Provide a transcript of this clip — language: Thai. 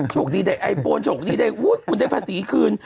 โชคดีได้ไอโฟนโชคดีได้คุณได้ภาษีคืน